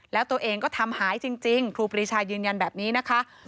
แล้วตัวเองก็ทำหายจริงครูปรีชายืนยันแบบนี้นะคะ